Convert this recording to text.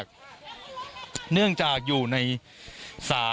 และมีความหวาดกลัวออกมา